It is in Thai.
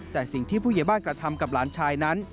แต่สิ่งที่ผู้ใหญ่บ้านกระทำกับหลานชายนั้น